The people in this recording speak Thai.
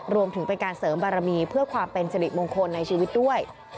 รวมถึงเป็นการเสริมบารมีเพื่อความเป็นสิริมงคลในชีวิตด้วย